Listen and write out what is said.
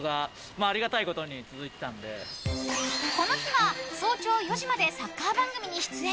この日は早朝４時までサッカー番組に出演。